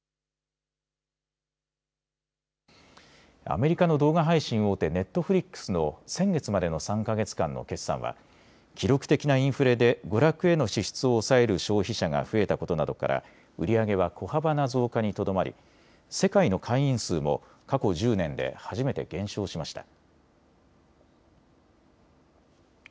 アメリカの動画配信大手、ネットフリックスの先月までの３か月間の決算は記録的なインフレで娯楽への支出を抑える消費者が増えたことなどから売り上げは小幅な増加にとどまり世界の会員数も過去１０年で初めて減少しました。